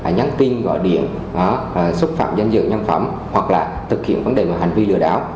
nhắn tin gọi điện xúc phạm danh dự nhân phẩm hoặc là thực hiện vấn đề về hành vi lừa đảo